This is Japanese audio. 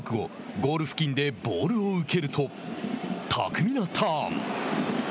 ゴール付近でボールを受けると巧みなターン。